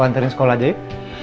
aku anterin sekolah aja yuk